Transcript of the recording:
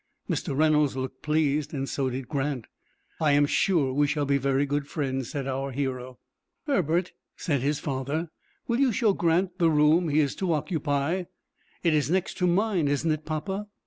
Mr. Reynolds looked pleased, and so did Grant. "I am sure we shall be very good friends," said our hero. "Herbert," said his father, "will you show Grant the room he is to occupy?" "It is next to mine, isn't it, papa?"